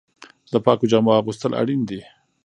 د پاکو جامو اغوستل اړین دي.